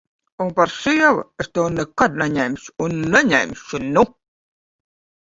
Un par sievu es tevi nekad neņemšu un neņemšu, nu!